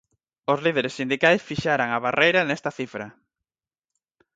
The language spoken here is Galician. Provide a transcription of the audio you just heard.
Os líderes sindicais fixaran a barreira nesta cifra.